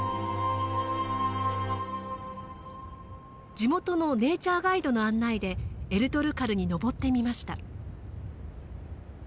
地元のネイチャーガイドの案内でエルトルカルに登ってみました。